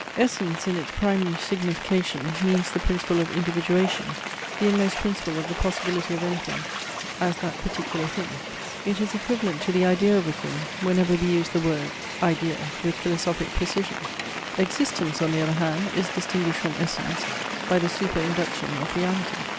Essence, in its primary signification, means the principle of individuation, the inmost principle of the possibility of any thing, as that particular thing. It is equivalent to the idea of a thing, whenever we use the word, idea, with philosophic precision. Existence, on the other hand, is distinguished from essence, by the superinduction of reality.